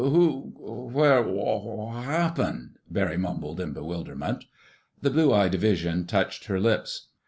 "Who—where—whap happumed...?" Barry mumbled in bewilderment. The blue eyed vision touched her lips.